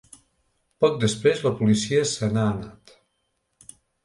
Poc després, la policia se n’ha anat.